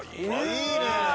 いいね！